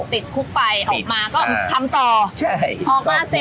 ติดคุกไปออกมาก็ทำต่อ